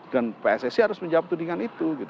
dan pssi harus menjawab tudingan itu